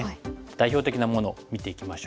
代表的なものを見ていきましょう。